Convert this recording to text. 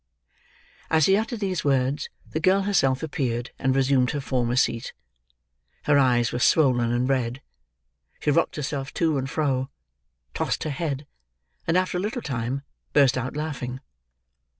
As he uttered these words, the girl herself appeared and resumed her former seat. Her eyes were swollen and red; she rocked herself to and fro; tossed her head; and, after a little time, burst out laughing.